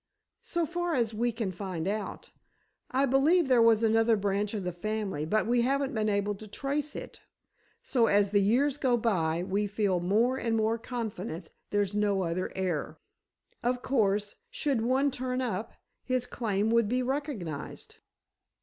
"So far as we can find out. I believe there was another branch of the family, but we haven't been able to trace it, so as the years go by, we feel more and more confident there's no other heir. Of course, should one turn up, his claim would be recognized."